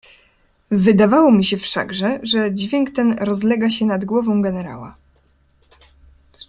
"Wydawało mi się wszakże, że dźwięk ten rozlega się nad głową generała."